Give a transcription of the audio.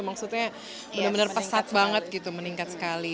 maksudnya benar benar pesat banget gitu meningkat sekali